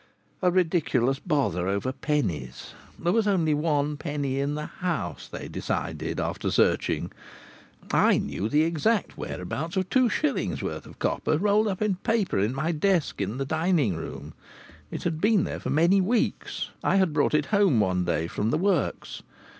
A ridiculous bother over pennies! There was only one penny in the house, they decided, after searching. I knew the exact whereabouts of two shillings worth of copper, rolled in paper in my desk in the dining room. It had been there for many weeks; I had brought it home one day from the works.